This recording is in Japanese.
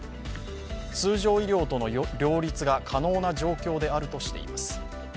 通常医療との両立が可能な状況であるとしています。